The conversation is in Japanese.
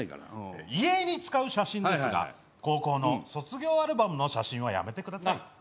遺影に使う写真ですが高校の卒業アルバムの写真はやめてください。